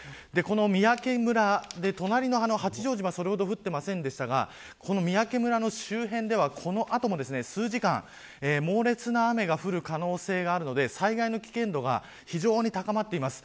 三宅村で、隣の八丈島はそれほど降っていませんが三宅村の周辺では、この後も数時間猛烈な雨が降る可能性があるので災害の危険度が非常に高まっています。